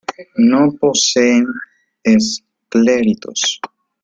No poseen escleritos.